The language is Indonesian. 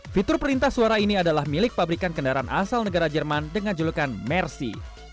fitur perintah suara ini adalah milik pabrikan kendaraan asal negara jerman dengan julukan mercy